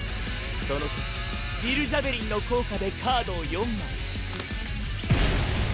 そのときヴィルジャベリンの効果でカードを４枚引く。